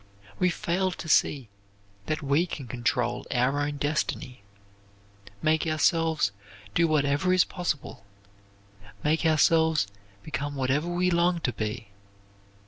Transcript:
We fail to see that we can control our own destiny: make ourselves do whatever is possible; make ourselves become whatever we long to be.